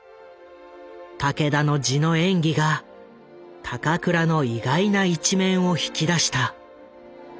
武田の地の演技が高倉の意外な一面を引き出した。